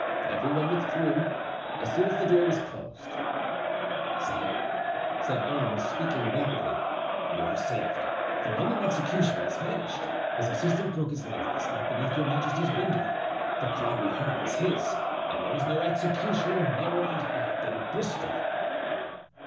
Every one withdrew. As soon as the door was closed: "Sire," said Aramis, speaking rapidly, "you are saved; the London executioner has vanished. His assistant broke his leg last night beneath your majesty's window—the cry we heard was his—and there is no executioner nearer at hand than Bristol."